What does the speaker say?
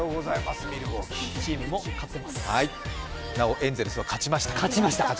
なお、エンゼルスが勝ちました。